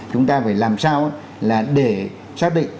chúng ta phải làm sao là để xác định